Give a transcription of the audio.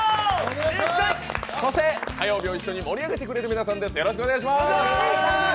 火曜日を一緒に盛り上げてくれる皆さんです。